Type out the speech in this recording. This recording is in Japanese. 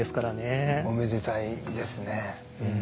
おめでたいですね。